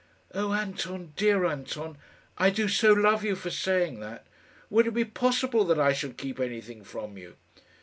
"Oh, Anton, dear Anton, I do so love you for saying that! Would it be possible that I should keep anything from you?"